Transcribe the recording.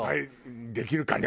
できるかね？